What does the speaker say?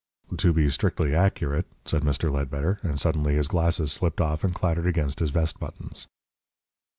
"To be strictly accurate," said Mr. Ledbetter, and suddenly his glasses slipped off and clattered against his vest buttons.